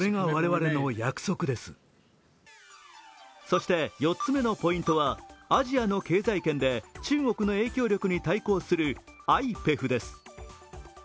そして４つ目のポイントはアジアの経済圏で中国の影響力に対抗するＩＰＥＦです。